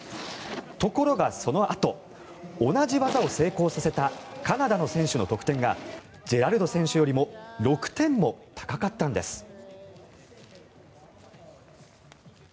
ところが、そのあと同じ技を成功させたカナダの選手の得点がジェラルド選手よりも６点も高かったんです。